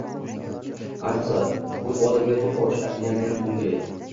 Ayniqsa, yo‘q odamga do‘q urish yanayam o‘ng‘ay